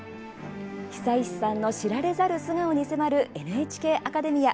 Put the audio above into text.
久石さんの知られざる素顔に迫る「ＮＨＫアカデミア」。